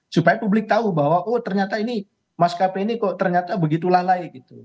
supaya publik tahu bahwa oh ternyata ini mas kp ini kok ternyata begitu lalai gitu